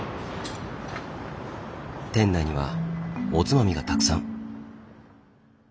店内にはおつまみがたくさん。